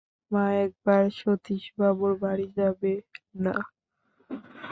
মা, একবার সতীশবাবুর বাড়ি যাবে না?